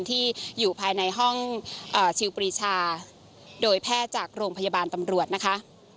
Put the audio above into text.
ที่อยู่ภายในห้องชิลปรีชาโดยแพทย์จากโรงพยาบาลตำรวจนะคะ